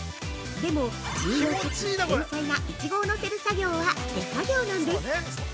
でも、重要かつ繊細なイチゴをのせる作業は手作業なんです。